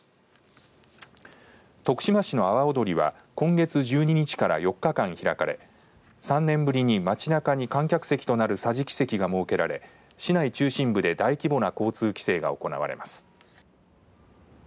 徳島市の阿波おどりは今月１２日から４日間開かれ３年ぶりに街なかに観客席となる桟敷席が設けられ市内中心部で大規模な交通規制が行われます。